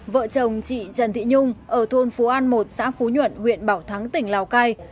vợ chồng chị trần thị nhung ở thôn phú an một xã phú nhuận huyện bảo thắng tỉnh lào cai